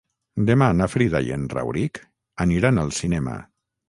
Demà na Frida i en Rauric aniran al cinema.